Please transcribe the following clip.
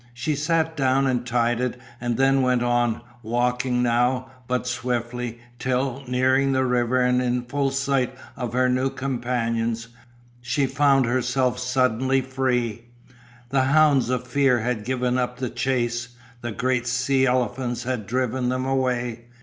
She sat down and tied it and then went on, walking now, but swiftly, till, nearing the river and in full sight of her new companions, she found herself suddenly free. The hounds of Fear had given up the chase. The great sea elephants had driven them away.